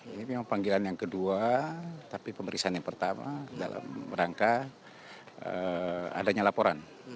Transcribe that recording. ini memang panggilan yang kedua tapi pemeriksaan yang pertama dalam rangka adanya laporan